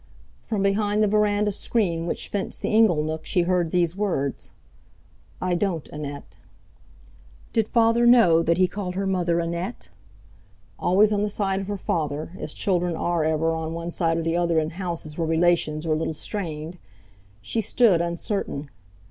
From behind the verandah screen which fenced the ingle nook she heard these words: "I don't, Annette." Did Father know that he called her mother "Annette"? Always on the side of her Father—as children are ever on one side or the other in houses where relations are a little strained—she stood, uncertain.